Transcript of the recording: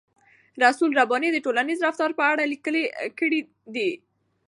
رسول رباني د ټولنیز رفتار په اړه لیکل کړي دي.